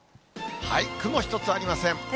雲一つありません。